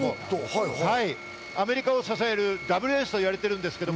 アメリカを支えるダブルエースと言われているんですけど。